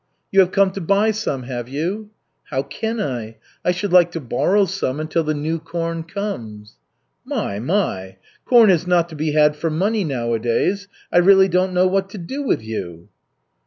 "You have come to buy some, have you?" "How can I? I should like to borrow some until the new corn comes." "My, my! Corn is not to be had for money nowadays. I really don't know what to do with you."